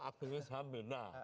aptimis ham benar